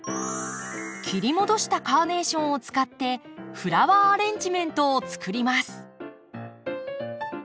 切り戻したカーネーションを使ってフラワーアレンジメントをつくります。